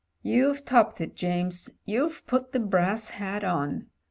"You've topped it, James, you've put the brass hat on.